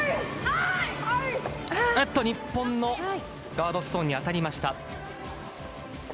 日本のガードストーンに当たりました。